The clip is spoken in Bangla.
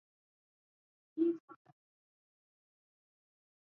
কে ঝামেলায় পড়েছেন?